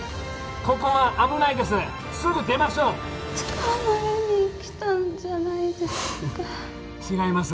ここは危ないですすぐ出ましょう捕まえに来たんじゃないですか違います